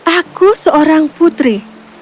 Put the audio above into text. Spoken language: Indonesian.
aku seorang putri